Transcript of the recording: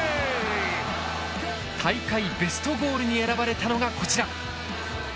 大会ベストゴールに選ばれたのがこちら。